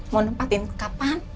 mau nempatin kapan